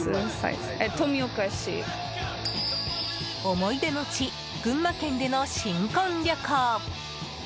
思い出の地群馬県での新婚旅行。